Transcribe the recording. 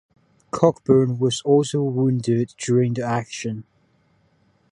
Cockburn was also wounded during the action.